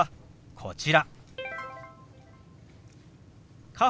こちら。